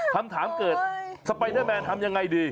คำถามเกิดสไปเดอร์แมนทำยังไงดี